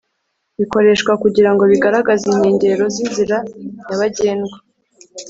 bikoreshwa kugirango bigaragaze inkengero z'inzira nyabagendwa